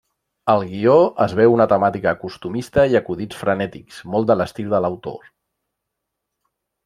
Al guió, es veu una temàtica costumista i acudits frenètics, molt de l'estil de l'autor.